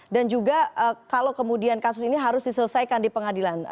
dan juga kalau kemudian kasus ini harus diselesaikan di pengadilan